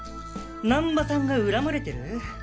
難波さんが恨まれてる？